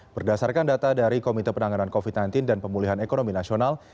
berdasarkan data dari komite penanganan covid sembilan belas dan pemulihan ekonomi nasional